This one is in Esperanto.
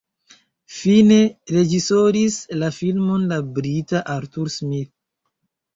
Fine reĝisoris la filmon la brita Arthur Smith.